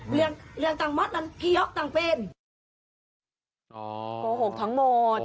ซึ่งเรื่องต่างหมดลองที่ยอดตต่างเป็น